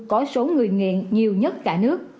có số người nghiện nhiều nhất cả nước